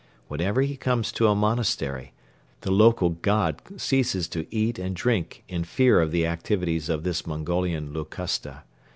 Whenever he comes to a monastery, the local "god" ceases to eat and drink in fear of the activities of this Mongolian Locusta.